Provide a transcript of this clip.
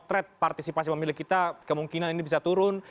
karena partisipasi pemilik kita kemungkinan ini bisa turun